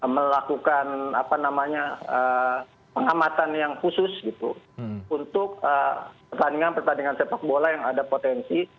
melakukan pengamatan yang khusus untuk pertandingan pertandingan sepak bola yang ada potensi